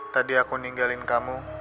tadi aku ninggalin kamu